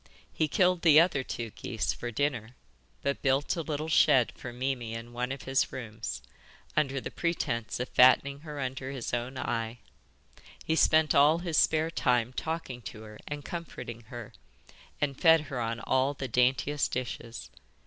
He killed the other two geese for dinner, but built a little shed for Mimi in one of his rooms, under the pretence of fattening her under his own eye. He spent all his spare time talking to her and comforting her, and fed her on all the daintiest dishes.